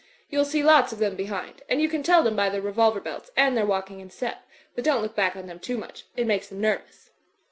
You'll see lots of them behind; and you can tell them by their revolver belts and their walking in step; but don't look back on them too much. It makes them nervous."